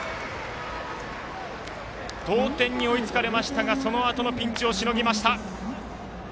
同点に追いつかれましたがそのあとのピンチをしのぎました。